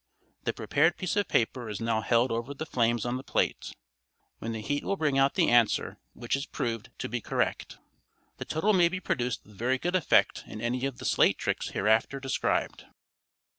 The prepared piece of paper is now held over the flames on the plate, when the heat will bring out the answer, which is proved to be correct. The total may be produced with very good effect in any of the Slate Tricks hereafter described.